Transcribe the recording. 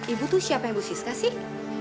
ibu tuh siapa yang bu siska sih